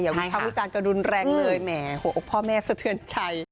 อย่าทำวิจารณ์กระดุนแรงเลยแหมโหพ่อแม่สะเทือนชัย